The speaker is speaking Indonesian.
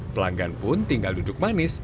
pelanggan pun tinggal duduk manis